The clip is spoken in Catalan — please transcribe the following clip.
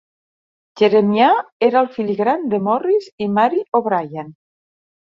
Jeremiah era el fill gran de Morris i Mary O'Brien.